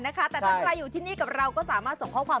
แต่ถ้าใครอยู่ที่นี่กับเราก็สามารถส่งข้อความ